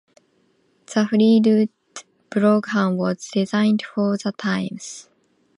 The Fleetwood Brougham was designed for the times.